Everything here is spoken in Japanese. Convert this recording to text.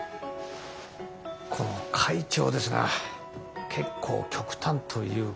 この会長ですが結構極端というか高圧的な方で。